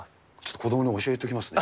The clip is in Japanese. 子どもに教えておきますね。